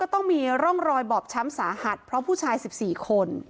ต้องมีร่องรอยบอบช้ำสาหัสเพราะผู้ชาย๑๔คน